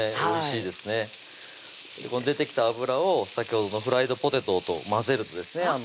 おいしいですね出てきた脂を先ほどのフライドポテトと混ぜるとですね